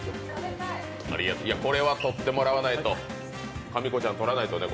これは取ってもらわないとかみこちゃん、取らないとね。